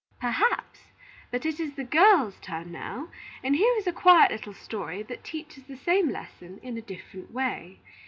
"Perhaps; but it is the girls' turn now, and here is a quiet little story that teaches the same lesson in a different way.